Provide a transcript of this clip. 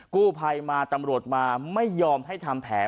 กู้ภัยมาตำรวจมาไม่ยอมให้ทำแผล